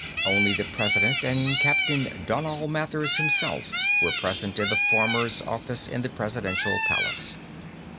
Only the President and Captain Donal Mathers himself were present in the former's office in the Presidential Palace.